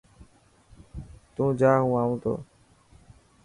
تو جا هون آنو ٿو.